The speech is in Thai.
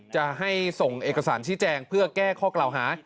จะให้ส่งเอกสารชี้แจงเพื่อแก้ข้อกล่าวหา